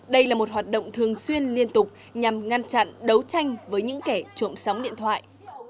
đây là một hoạt động thường xuyên liên tục nhằm ngăn chặn đấu tranh với những kẻ trộm sóng điện thoại